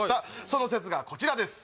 その説がこちらです